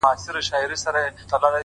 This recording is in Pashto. تور او سور. زرغون بیرغ رپاند پر لر او بر.